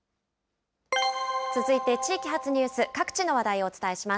続いて地域発ニュース、各地の話題をお伝えします。